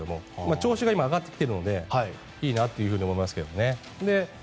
調子が今、上がってきているのでいいなと思いますが。